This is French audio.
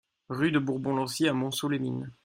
Rue de Bourbon Lancy à Montceau-les-Mines